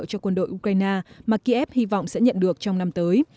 cho quân đội ukraine mà kiev hy vọng sẽ nhận được trong năm tới